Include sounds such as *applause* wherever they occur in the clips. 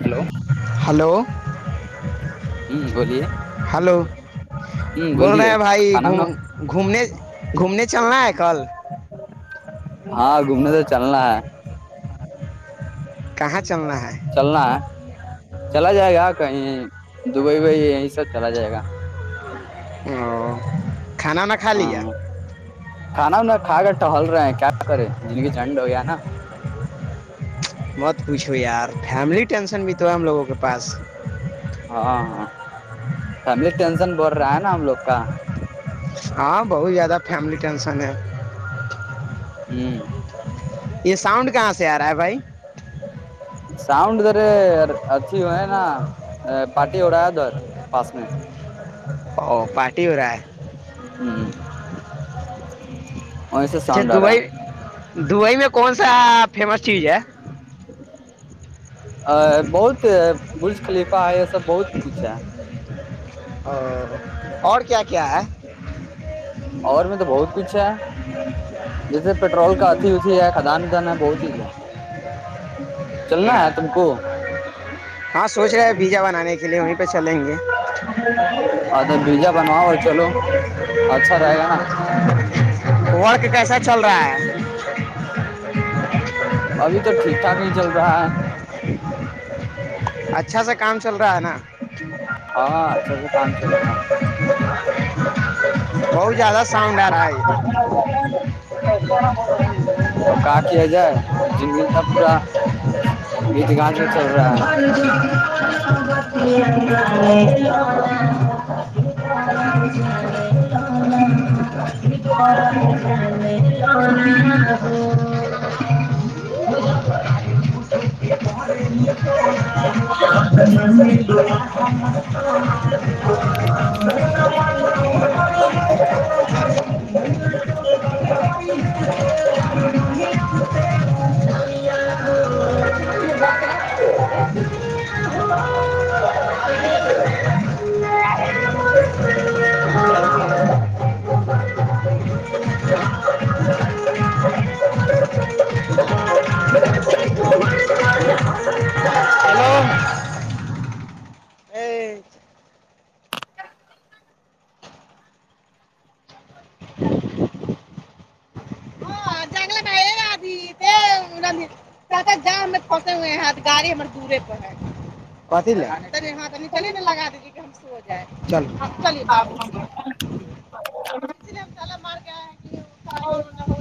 hello hello ہوں بولیے hello ہوں بول بولیے رہے ہیں بھائی کھانا وانا گھومنے گھومنے چلنا ہے کل ہاں گھومنے تو چلنا ہے کہاں چلنا ہے چلنا ہے چلا جائے گا کہیں دبئی میں یہی سب چلا جائے گا او کھانا نہ کھا ہاں لیا کھانا وانا کھا کر ٹہل رہے ہیں کیا کرے جند کی جھنڈ ہو گیا ہے نا مت پوچھو یار فیملی ٹینشن بھی تو ہے ہم لوگوں کے پاس ہاں ہاں فیملی ٹینشن بڑھ رہا ہے نا ہم لوگ کا ہاں بہت زیادہ فیملی ٹینسن ہے ہوں یہ ساؤنڈ کہاں سے آ رہا ہے بھائی سؤنڈ ارے اھی ہو نا پارٹی اڑایا پس میں اوہ پارٹی ہو رہا ہے ہوں اچھا دبئی دبئی میں کون سا فیمس چیز ہے ا بہت بج خلیفہ ہے یہ سب بہت کچھ ہے اور اور کیا کیا ہے اور میں تو بہت کچھ ہے جیسے پیٹرول کا اتھی اتھی ہے خھدان ودان ہے بہت ہییز ہے ا *inaudible* ہاں سوچ رہے بیجا بنانے کے لیے وہیں پہ چلیں گے ہاں تو بجا بنوا ہو چلو اچھا رہے گا نا ورک کیسا چل رہا ہے ابھی تو ٹھیک ٹھاک نہیں چل رہا ہے اچھا سے کام چل رہ پرانا ہاں اچھا سے کام چل رہ ہےا بہت زیادہ ساؤنڈ آ رہا ہے کا کی ہ جائے جچ ج س پورا *inaudible* چل رہا یہ ہے *inaudible* *inaudible* اور *inaudible* *inaudible* *inaudible* *inaudible* *inaudible* *inaudible* *inaudible* پ لگرے یہاں نچل ہی نہ لگا دیجے کہ ہم سے ہو جائےل لی باب ہے ہوں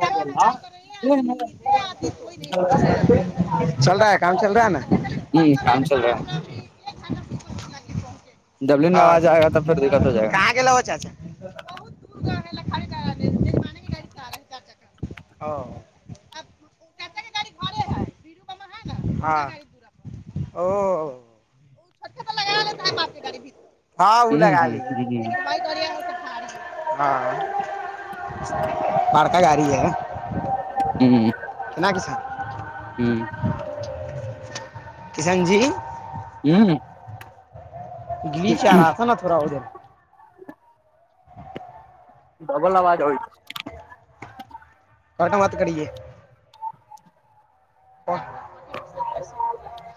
*inaudible* چل رہا ہے کام چل رہا ہے نا ہوں کام چل رہا *inaudible* جبلی آواز آئے اچھا گا تب پھر دقت ہو جائے کہاں گلا ہو گا *inaudible* ہاں ہاں او اں بک ہ گاڑی ہ ہےنا کی ہوں گلی چ رہا آ تھا نا تھوڑا ادل *unintelligible* *unintelligible* ڈبل آواز ہوئی *unintelligible* کٹوں مات کری ہے *unintelligible* *unintelligible*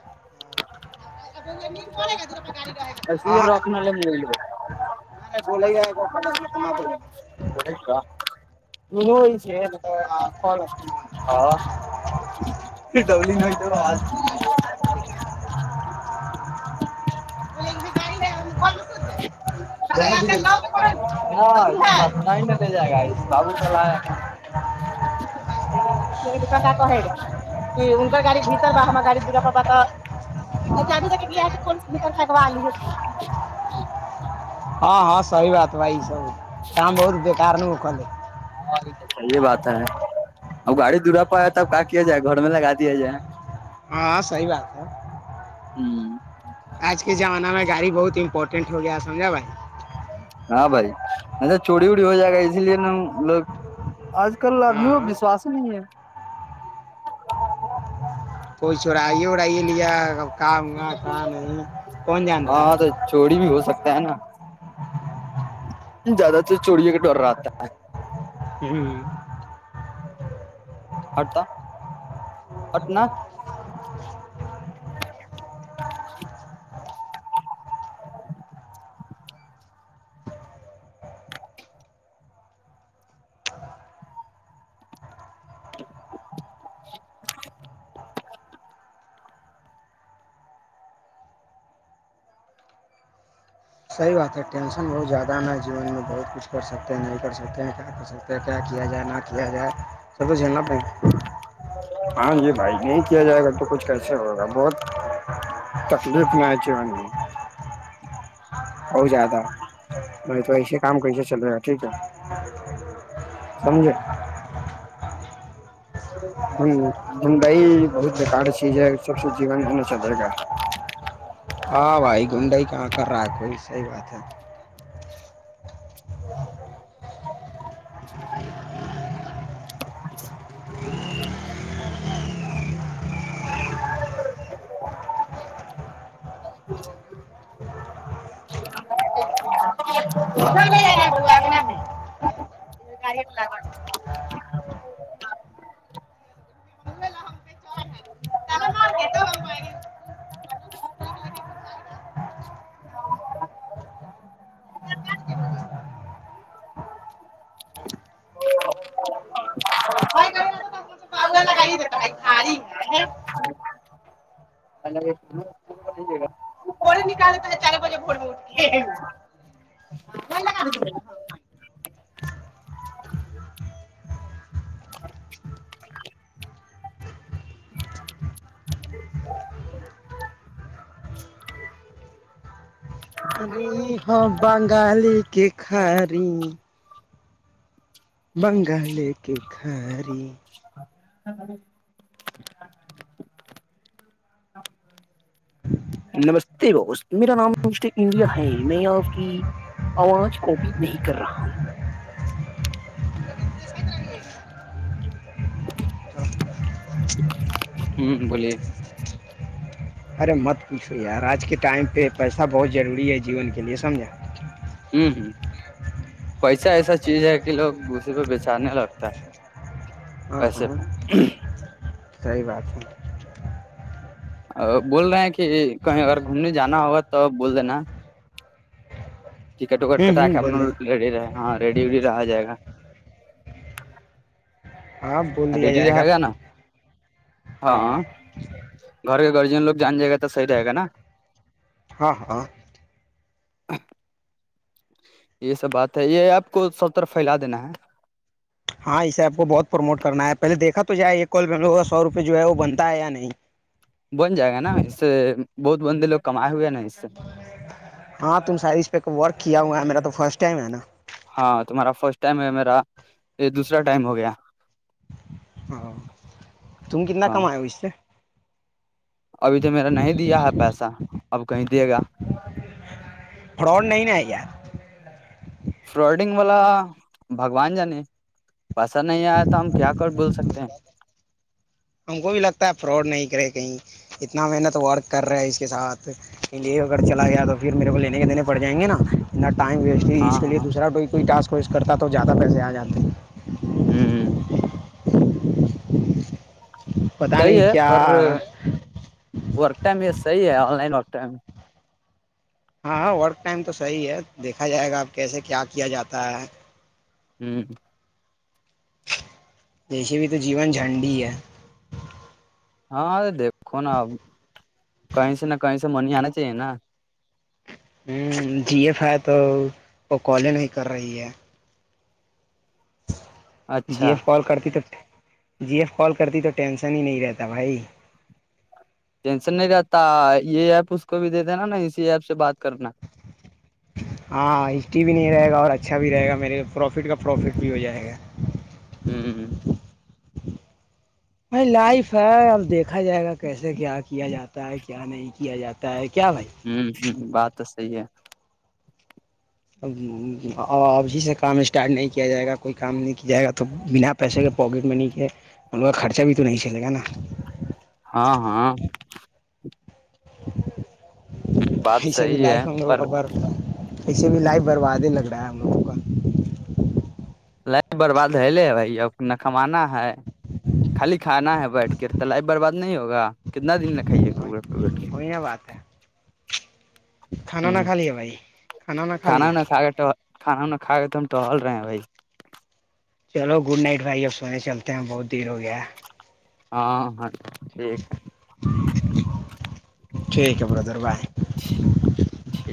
رک ل ب گ ہاں *unintelligible* *unintelligible* ہاں سپ ہی م جائے گا ب چے گا *inaudible* اگر گاڑی بھیتر باہ ہم گاڑی دراا *unintelligible* اچھب تے آ کون س *unintelligible* لگوانی ہوتی *unintelligible* ہاں ہاں سی بات *unintelligible* تو وہائی سب کام بہت بییکار نہیں ہو کرلے *unintelligible* یہ بات ہے ا گاڑی درا پایا ت اب کا کیا جائے گھر میں لگا دیا جائے ہاں سی بات ہے *unintelligible* ہ آج کے زمانہ میں گاڑی بہت امپورٹنٹ ٹینٹ ہو گیا سمجھا بھائی *unintelligible* ہاں بھائی اچھا چوڑی ووڑی ہو جائے گا اسی لیے نا لوگ آج کل آدمی میں ہاں وشواس ہی نہیں ہے کوئی چڑائیے اڑائیے لیا کہ ہا کہاں نہیں کون جانتا ہاں ہے تو چوری بھی ہو سکتا ہے نا زیادہ تر چوری کا ڈر رہ آتا ہے *unintelligible* *inaudible* ہے ہٹتا ہٹنا *inaudible* صحیح بات ہے ٹینشن بہت زیادہ ن جیون میں بہت کچھ کر سکتے ہیں نہیں کر سکتے ہیں کیا کر سکتے ہیں کیا کیا جائے نہ کیا جائے سب تو جھیلنا پڑ ہاں یہ بھائی نہیں کیا جائے گا تو کچھ کیسے ہوگا بہت تکلیف نہ ہے جیان میں بہت زیادہ نہیں تو ایسے کام کیسے چلے گا ٹھیک ہے سمجھے *inaudible* دنڈائی بہت بیکار چیز ہے سب سے جیون جنے چلے گا *unintelligible* ہاں بھائی گنڈائی کہاں کر رہا ہے کوئی صحی بات ہے *inaudible* *inaudible* *inaudible* *inaudible* *inaudible* *inaudible* *inaudible* *inaudible* ری ہ بنگالی کی خھریی بنگالے کے گھری *inaudible* نمستے ب میرا نام مسٹر انڈیا ہے میں آپ کی آواز کو بھی نہیں کر رہا *inaudible* *inaudible* *inaudible* ہ بولیے *inaudible* ارے مت پوچھو یار آج کے ٹائم پہ پیسہ بہت ضروری ہے جیون کے لیے سمجھا ہوں ہ پسا ایسا چیز ہے کہ لوگ اسی پہ بیچارنے لگتا ہے ہاں پیسے ہوں ہ *unintelligible* صحی بات ہے بول رہے ہیں کہ کہیں اگر گھومنے جانا ہوگا تو بول دینا ٹکٹ وکٹ ہوں کٹا ہوں کے اپ بول دیں لگ ریڈی رہے ہاں ریڈی وڈی رہا جائے گا ہاں بول دیا ریڈی ر جائے ہے گا نا ہاں گھر گرجین لوگ جان جائے گا تو صحیح رہے گا نا ہاں ہاں یہ سب بات ہے یہ آپ کو سب طرف پھیلا دینا ہے ہاں اس ایپ کو بہت پروموٹ کرنا ہےپ پہلے دیکا تو جائے یہ کال بو کا س روپئے جو ہے وہ بنتا ہے یا نہیں بن جائے گا نا اس سے بہت بندے لگ کمائے ہوئے ن نہیں ہاں تم شاید اس پہ ورک کیا ہوا میرا تو فرسٹ ٹائم ہے نا ہاں تمہارا فرسٹ ٹائم ہے میرا یہ دوسرا ٹائم ہو گیا ہاں تم کتنا ہاں کمائے ہو اس سے ابھی تو میرا نہیں دیا ہے پیسہ اب کہیں دے گا گ *unintelligible* فراڈگ والا بھگوان جان پسہ نہیں آیا تو ہم کیا کر بول سکتے ہیں ہم کو بھی لگتا ہے فراڈ نہیں کرے کہیں اتنا محنت ورک کر رہا ہے اس کے ساتھ کہ لے اگر چلا گیا تو پھر میرے کو لینے کے دینے پڑ جائیں گے نا اتنا ٹائم ویسٹ کی اس ہاں کے لیے ہاں دوسرا کوئی ڈانس چوز کرتا تو زیادہ پیسے آ جاتے ہیں ہوں ہ *unintelligible* پتہ صحیح نہیں ہے کیا اور ٹائم یہ صحیح ہے آن لائن وگتا ہے ہاں ہاں ورک ٹائم تو صحیح ہے دیکھا جائے گا آپ کیسے کیا کیا جاتا ہے ہوں جیسے بھی تو جیون جھنڈی ہے ہاں دیکھو نا اب کہیں سے نہ کہیں سے من آنا چاہیے نا ہوں جی ایف آئی تو وہ کال ہی نہیں کر رہی ہے اچھا یہ فال کرتی ہوں جی ایف کال کرتی تو ٹینشن ہی نہیں رہتا بھائی ٹینشن نہیں رہتا یہ ایپ اس کو بھی دیتے نا نا اسی ایپ سے بات کرنا ہاں ہسٹری بھی نہیں رہے گا اور اچھا بھی رہے گا میرے پروفٹ کا پروفٹ بھی ہو جائے گا *unintelligible* ائی لائف ہے اب دیکھا جائے گا کیسے کیا کیا جاتا ہے کیا نہیں کیا جاتا ہے کیا بھائی ہ ہ بات صحیح ہے ا ابھی سے کام اسٹارٹ نہیں کیا جائے گا کوئی کام نہیں کیا جائے گا تو بنا پیسے کے پواکٹ منی کے ان کا خرچہ بھی تو نہیں چلے گا نا ہاں ہاں بات ایسے بھی صحیح ہے لائف ہ گ پر خبر ایسے بھی لائف برباد ہی لگ رہا ہے ہم لوگوں کا ل برباد ہے لے بھائی اب نہ کمانا ہے خالی کھانا ہے بیٹھ کے تلائی برباد نہیں ہوگا کتنا دن میں کھائیے گ وہی نا بات ہے کھانا وانا کھا لیا بھائی ہ وانا کھانا لیا ہوناا کھا گا تو کھانا وانا کھا گئے تو ہم ٹ ہل رہے ہیں بھائی چلو گڈ نائٹ بھائی اب سونے چلتے ہیں بہت دیر ہو گیا ہاں ہاں ٹھیک ہے ٹھیک ہے برادر بائے ٹھیک